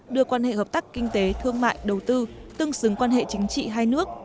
đưa quan hệ hợp tác kinh tế thương mại đầu tư tương xứng quan hệ chính trị hai nước